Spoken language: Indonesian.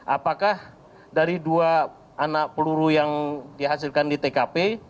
apakah dari dua anak peluru yang dihasilkan di tkp